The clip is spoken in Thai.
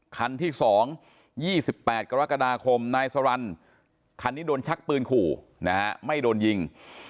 คันที่๒๒๘กรกฎาคมนายสรรคันนี้โดนชักปืนขู่นะฮะไม่โดนยิง